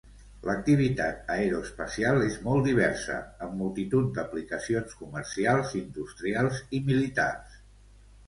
L'activitat aeroespacial és molt diversa, amb multitud d'aplicacions comercials, industrials i militars.